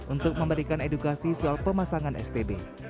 untuk memberikan edukasi soal pemasangan stb